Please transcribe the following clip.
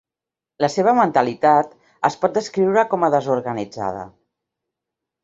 La seva mentalitat es pot descriure com a desorganitzada.